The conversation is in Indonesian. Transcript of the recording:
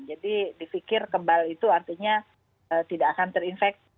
jadi di fikir kebal itu artinya tidak akan terinfeksi